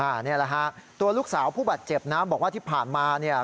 อันนี้แหละฮะตัวลูกสาวผู้บาดเจ็บนะบอกว่าที่ผ่านมาเนี่ย